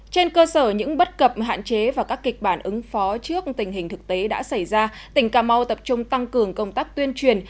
trên cơ sở những bất cập hạn chế và các kịch bản ứng phó trước tình hình thực tế đã xảy ra tỉnh cà mau tập trung tăng cường công tác tuyên truyền